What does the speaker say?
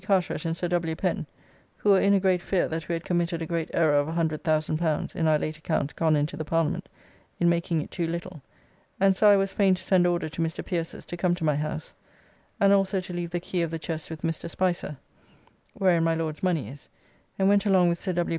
Carteret and Sir W. Pen (who were in a great fear that we had committed a great error of L100,000 in our late account gone into the Parliament in making it too little), and so I was fain to send order to Mr. Pierces to come to my house; and also to leave the key of the chest with Mr. Spicer; wherein my Lord's money is, and went along with Sir W.